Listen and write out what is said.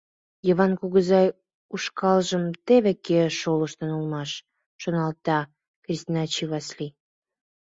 «Йыван кугызай ушкалжым теве кӧ шолыштын улмаш, — шоналта Кстинчий Васлий.